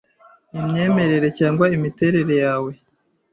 imyemerere cyangwa imiterere yawe